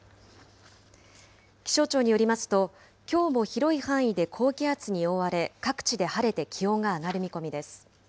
気象庁によりますと、きょうも広い範囲で高気圧に覆われ、各地で晴れて気温が上がる見込みです。